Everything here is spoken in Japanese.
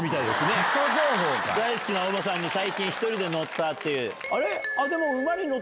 「大好きなお馬さんに最近１人でのった」って。